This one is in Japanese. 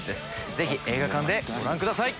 ぜひ映画館でご覧ください。